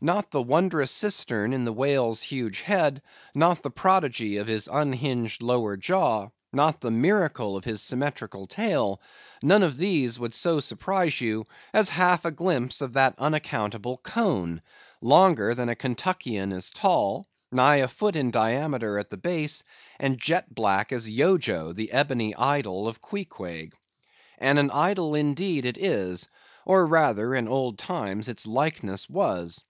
Not the wondrous cistern in the whale's huge head; not the prodigy of his unhinged lower jaw; not the miracle of his symmetrical tail; none of these would so surprise you, as half a glimpse of that unaccountable cone,—longer than a Kentuckian is tall, nigh a foot in diameter at the base, and jet black as Yojo, the ebony idol of Queequeg. And an idol, indeed, it is; or, rather, in old times, its likeness was.